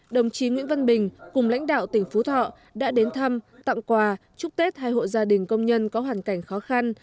đồng chí nguyễn văn bình cùng lãnh đạo tỉnh phú thọ đã đến thăm tặng quà chúc tết hai hộ gia đình công nhân có hoàn cảnh khó khăn